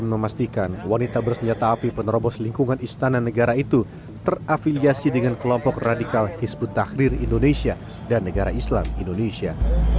memastikan wanita bersenjata api penerobos lingkungan istana negara itu terafiliasi dengan kelompok radikal hizbut tahrir indonesia dan negara islam indonesia